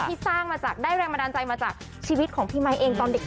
ที่สร้างมาจากได้แรงบันดาลใจมาจากชีวิตของพี่ไมค์เองตอนเด็ก